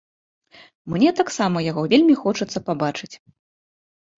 Мне таксама яго вельмі хочацца пабачыць.